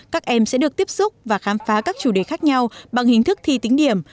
các em sẽ được tiếp xúc và khám phá các chủ đề khác nhau bằng hình thức thi tính điểm